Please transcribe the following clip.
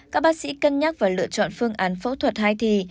các bác sĩ cân nhắc và lựa chọn phương án phẫu thuật hai thì